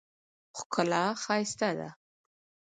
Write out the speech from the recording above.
ښکلا ښایسته ده.